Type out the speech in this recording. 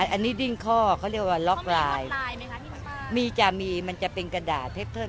อันนี้ดิ้นข้อเขาเรียกว่าล็อกลายมีจะมีมันจะเป็นกระดาษ